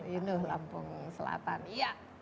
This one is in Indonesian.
inuh lampung selatan iya